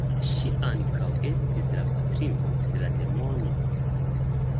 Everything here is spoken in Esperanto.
Ŝi ankaŭ estis la patrino de la demonoj.